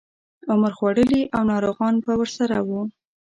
عمر خوړلي او ناروغان به ورسره وو.